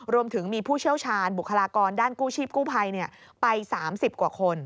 รวมถึงมีผู้เชี่ยวชาญบุคลากรด้านกู้ชีพกู้ภัยไป๓๐กว่าคน